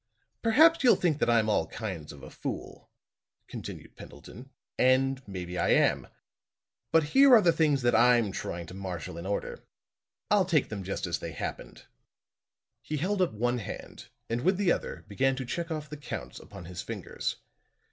"Perhaps you'll think that I'm all kinds of a fool," continued Pendleton, "and maybe I am. But here are the things that I'm trying to marshall in order. I'll take them just as they happened." He held up one hand and with the other began to check off the counts upon his fingers.